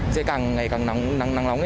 sẽ càng ngày càng nắng nóng